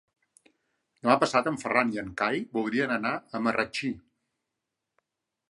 Demà passat en Ferran i en Cai voldrien anar a Marratxí.